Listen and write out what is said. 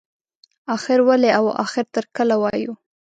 اخر ولې او اخر تر کله وایو.